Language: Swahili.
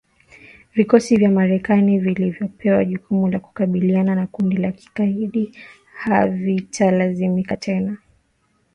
Vikosi vya Marekani vilivyopewa jukumu la kukabiliana na kundi la kigaidi havitalazimika tena kusafiri hadi Somalia kutoka nchi jirani baada ya maafisa